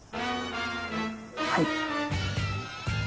はい。